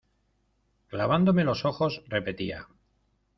clavándome los ojos repetía: